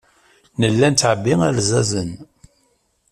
Nella nettɛebbi alzazen.